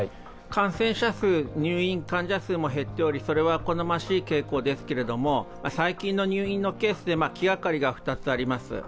感染者数、入院患者数も減っておりそれは好ましい傾向ですが最近の入院のケースで気がかりが２つあります。